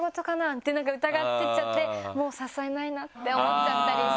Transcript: ってなんか疑ってっちゃってもう誘えないなって思っちゃったりして。